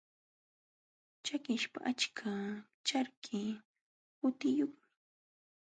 Chakiśhqa aycha charki hutiyuqmi.